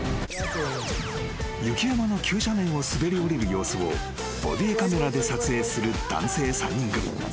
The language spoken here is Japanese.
［雪山の急斜面を滑り下りる様子をボディーカメラで撮影する男性３人組］